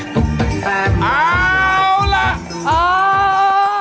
ตรงแก๊งแป๊กดูแหลงแหง